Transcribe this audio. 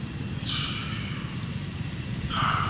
Kijani cheusi ni nchi zilizoanzisha shirikisho la biashara duniani